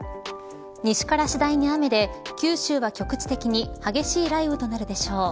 西から次第に雨で九州は局地的に激しい雷雨となるでしょう。